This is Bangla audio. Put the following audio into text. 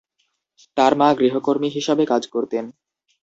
তাঁর মা গৃহকর্মী হিসাবে কাজ করতেন।